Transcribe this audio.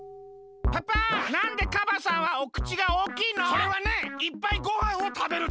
それはねいっぱいごはんをたべるためだよ。